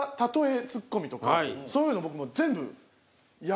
そういうの僕もう全部。